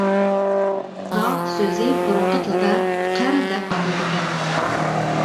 «تاغ» سۆزى بۇرۇنقى تىلدا «قىر» دەپ ئاتىلىدىكەن.